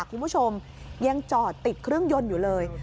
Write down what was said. คุณผู้ชมยังจอดติดเครื่องยนต์อยู่เลย